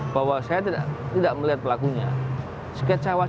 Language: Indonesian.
bahwa saya tidak langsung melihat pelakunya mereka sudah saya beritahu beberapa kali